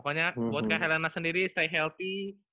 ya pokoknya buat kak helena sendiri stay healthy